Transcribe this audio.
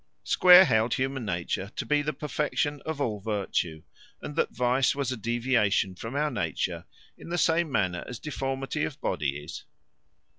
Square held human nature to be the perfection of all virtue, and that vice was a deviation from our nature, in the same manner as deformity of body is.